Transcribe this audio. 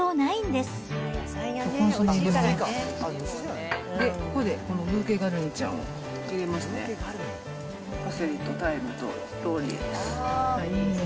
で、ここでブーケガルニちゃんを入れますね。